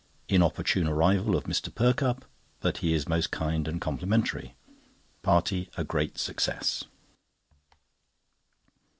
Inopportune arrival of Mr. Perkupp, but he is most kind and complimentary. Party a great success.